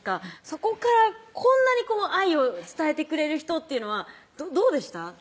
そこからこんなに愛を伝えてくれる人というのはどうでした？